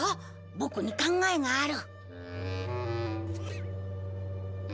ボクに考えがある。